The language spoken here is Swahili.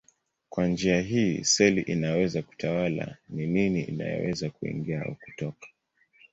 Kwa njia hii seli inaweza kutawala ni nini inayoweza kuingia au kutoka.